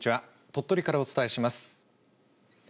鳥取からお伝えします。